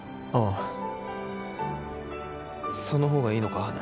ああその方がいいのか？